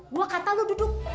gua kata lu duduk